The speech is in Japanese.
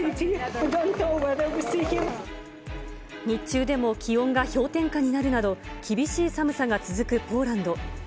日中でも気温が氷点下になるなど、厳しい寒さが続くポーランド。